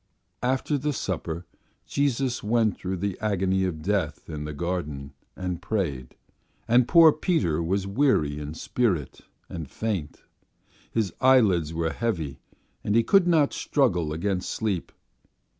After the supper Jesus went through the agony of death in the garden and prayed, and poor Peter was weary in spirit and faint, his eyelids were heavy and he could not struggle against sleep.